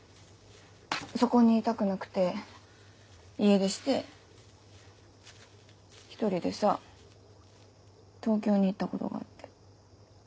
そこにいたくなくて家出して１人でさ東京に行ったことがあって。